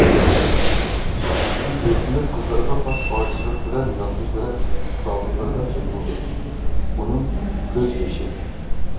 ئىچ-ئىچىدىن ئۆرتىنىپ قىزلارغا خاس ئاجىزلىق بىلەن يالغۇز دەرەخ دالدىلىرىدا يىغلىدى. ئۇنىڭ كۆز يېشى،